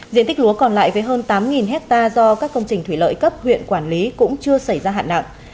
diện tích lúa còn lại với hơn tám hectare do các công trình thủy lợi cấp huyện quản lý cũng chưa xảy ra hạn nặng